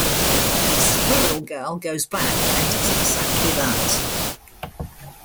Squirrel Girl goes back and does exactly that.